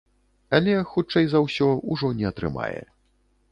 Але, хутчэй за ўсё, ужо не атрымае.